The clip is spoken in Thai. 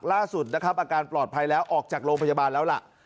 ล่าสุดนะครับอาการปลอดภัยแล้วออกจากโรงพยาบาลแล้วล่ะ